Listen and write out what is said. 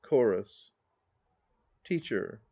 CHORUS. TEACHER.